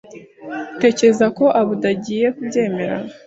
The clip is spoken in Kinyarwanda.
Utekereza ko Abdul agiye kubyemera?